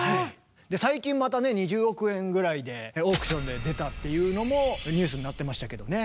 最近またね２０億円ぐらいでオークションで出たっていうのもニュースになってましたけどね。